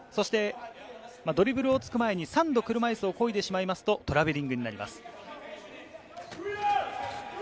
ドリブルをつく前に３度、車いすを漕いでしまいますと、トラベリングになります。